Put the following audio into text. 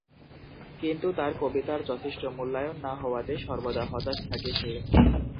কিন্তু তার কবিতার যথেষ্ট মূল্যায়ন না হওয়াতে সর্বদা হতাশ থাকে সে।